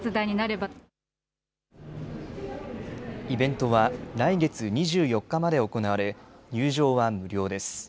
イベントは来月２４日まで行われ入場は無料です。